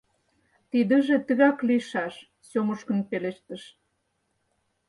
— Тидыже тыгак лийшаш, — Сёмушкин пелештыш.